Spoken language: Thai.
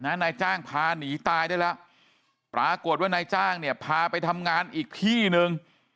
นายจ้างพาหนีตายได้แล้วปรากฏว่านายจ้างเนี่ยพาไปทำงานอีกที่หนึ่ง